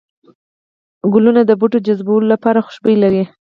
گلونه د بوټو جذبولو لپاره خوشبو لري